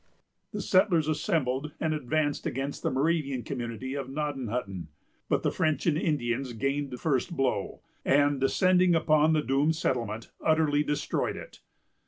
The settlers assembled and advanced against the Moravian community of Gnadenhutten; but the French and Indians gained the first blow, and, descending upon the doomed settlement, utterly destroyed it.